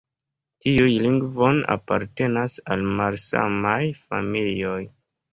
Tiuj lingvoj apartenas al malsamaj familioj.